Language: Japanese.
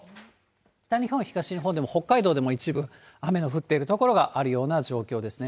北日本、東日本でも、北海道でも一部、雨の降っている所があるような状況ですね。